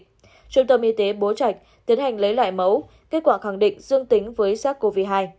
trung tâm y tế bố trạch tiến hành lấy lại mẫu kết quả khẳng định dương tính với sars cov hai